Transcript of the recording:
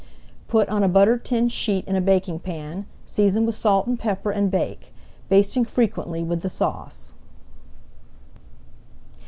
Put on a buttered tin sheet in a baking pan, season with salt and pepper, and bake, basting frequently with the sauce.